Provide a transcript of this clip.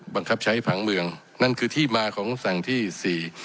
บังคับใช้ผังเมืองนั่นคือที่มาของคำสั่งที่สี่